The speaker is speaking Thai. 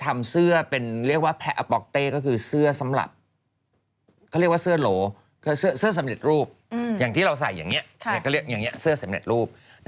เราก็เรียกอย่างนี้เสื้อสำเร็จรูป